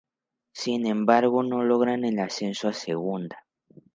Sin embargo, no logran el ascenso a Segunda.